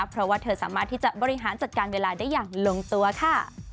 เพราะว่าเธอสามารถที่จะบริหารจัดการเวลาได้อย่างลงตัวค่ะ